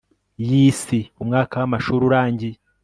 yisi umwaka wamashuri urangiye